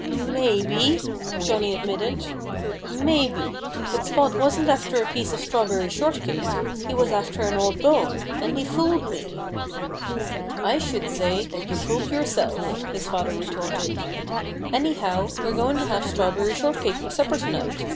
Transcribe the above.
"Maybe!" Johnnie admitted. "Maybe! But Spot wasn't after a piece of strawberry shortcake. He was after an old bone. And he fooled me." "I should say that you fooled yourself," his father retorted. "Anyhow, we're going to have strawberry shortcake for supper to night.